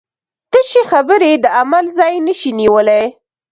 تشې خبرې د عمل ځای نشي نیولی.